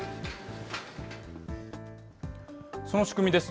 その仕組みです。